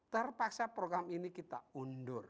terpaksa program ini kita undur